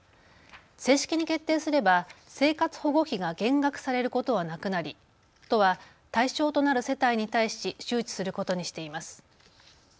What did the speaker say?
正式に決定すれば生活保護費が減額されることはなくなり都は対象となる世帯に対し周知することにしています。